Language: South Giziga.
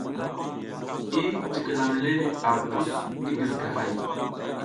I cikilam le ar kus ngi gizigahay.